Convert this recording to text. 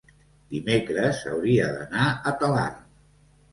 dimecres hauria d'anar a Talarn.